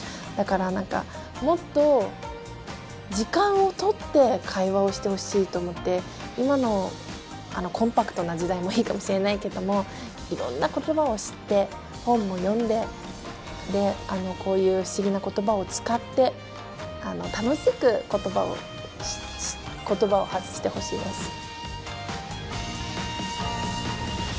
だから何かもっと時間をとって会話をしてほしいと思って今のコンパクトな時代もいいかもしれないけどもでこういう不思議な言葉を使って楽しく言葉を言葉を発してほしいです。